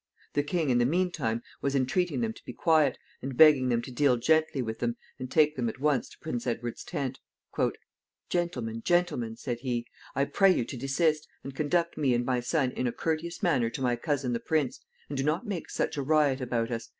The king, in the mean time, was entreating them to be quiet, and begging them to deal gently with them, and take them at once to Prince Edward's tent. "Gentlemen, gentlemen," said he, "I pray you to desist, and conduct me and my son in a courteous manner to my cousin the prince, and do not make such a riot about us.